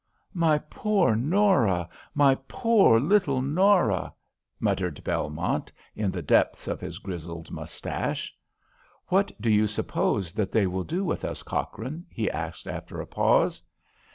"My poor Norah! My poor little Norah!" muttered Belmont, in the depths of his grizzled moustache. "What do you suppose that they will do with us, Cochrane," he asked after a pause.